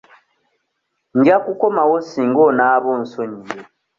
Nja kukomawo singa onaaba onsonyiye.